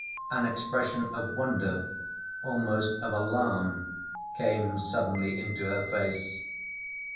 An expression of wonder, almost of alarm, came suddenly into her face.